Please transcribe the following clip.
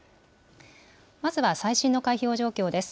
まずは最新の開票状況です。